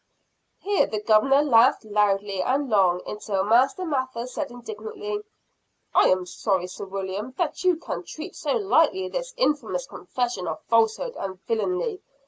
Here the Governor laughed loudly and long until Master Mather said indignantly, "I am sorry, Sir William, that you can treat so lightly this infamous confession of falsehood and villainy.